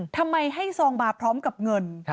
ทำไมให้ซองมาพร้อมกับเงิน